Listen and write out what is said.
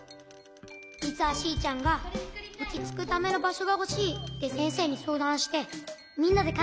じつはシーちゃんが「おちつくためのばしょがほしい」ってせんせいにそうだんしてみんなでかんがえてつくったの。